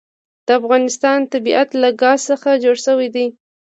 د افغانستان طبیعت له ګاز څخه جوړ شوی دی.